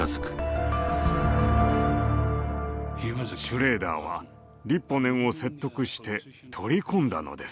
シュレーダーはリッポネンを説得して取り込んだのです。